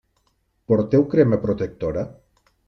Porteu crema protectora?